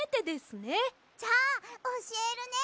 じゃあおしえるね！